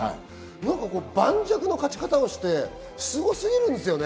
盤石の勝ち方をして、すごすぎるんですよね。